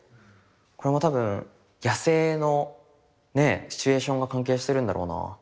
これも多分野生のねシチュエーションが関係してるんだろうな。